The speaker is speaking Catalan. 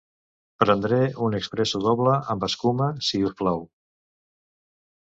Prendré un espresso doble amb escuma si us plau.